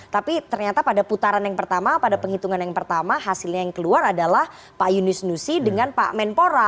tapi ternyata pada putaran yang pertama pada penghitungan yang pertama hasilnya yang keluar adalah pak yunus nusi dengan pak menpora